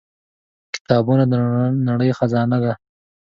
• کتابونه د نړۍ خزانه ده.